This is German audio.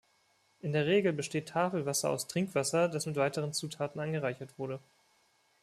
In der Regel besteht Tafelwasser aus Trinkwasser, das mit weiteren Zutaten angereichert wurde.